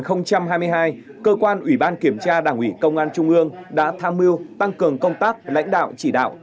năm hai nghìn hai mươi hai cơ quan ủy ban kiểm tra đảng ủy công an trung ương đã tham mưu tăng cường công tác lãnh đạo chỉ đạo